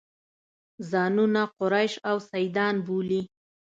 ځانونه قریش او سیدان بولي.